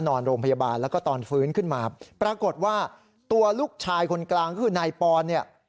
นอนโรงพยาบาลแล้วก็ตอนฟื้นขึ้นมาปรากฏว่าตัวลูกชายคนกลางก็คือนายปอนเนี่ย